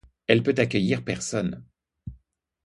Elle peut accueillir personnes.